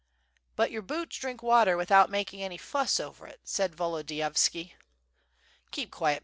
"But your boots drink water without making any fuss over it/' said Volodiyovski. "Keep quiet.